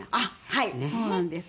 はいそうなんです。